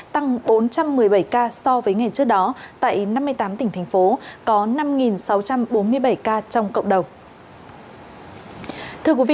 tăng bốn trăm một mươi bảy ca so với ngày trước đó tại năm mươi tám tỉnh thành phố có năm sáu trăm bốn mươi bảy ca trong cộng đồng